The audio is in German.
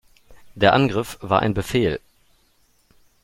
Der Angriff war ein Befehl!